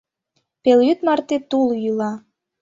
Пелйӱд марте тул йӱла...